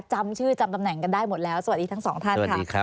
จำชื่อจำตำแหน่งกันได้หมดแล้วสวัสดีทั้งสองท่านค่ะ